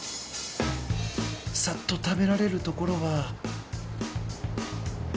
サッと食べられるところは。